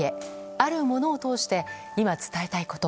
あるものを通して今、伝えたいこと。